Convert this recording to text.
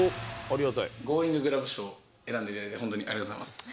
ゴーインググラブ賞、選んでいただいて、本当にありがとうございます。